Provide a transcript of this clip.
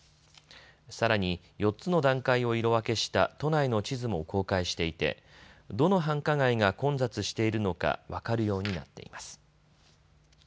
さらに４つの段階を色分けした都内の地図も公開していてどの繁華街が混雑しているのか分かるようになっています。